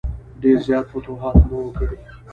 ډېر زیات فتوحات نه وه کړي.